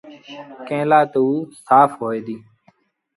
ڪݩهݩ لآ تا اوٚ سآڦ هوئي دو۔